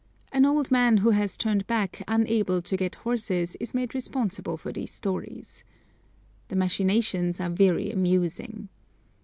An old man who has turned back unable to get horses is made responsible for these stories. The machinations are very amusing.